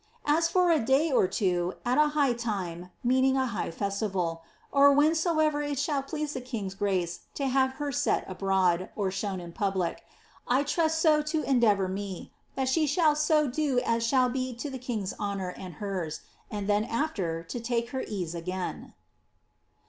As for a <lay or two, at a high time (meaning a high festival), or whensoever •: shall plea. e the kinjr's grace to have her set abroad (shown in public), I tnist «. to endeavour me, that she shall so do as shall be to the king's honour and Qen ; and then aAer to take her ease again."